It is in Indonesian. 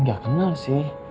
nggak kenal sih